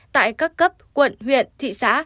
tại các cấp quận huyện thị xã